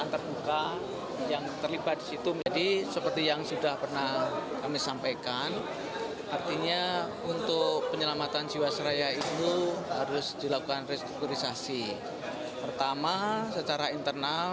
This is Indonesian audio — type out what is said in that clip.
memang bisnis modelnya sehat